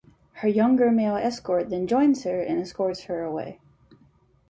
Her younger male escort then joins her and escorts her away.